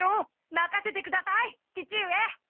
まかせてください父上！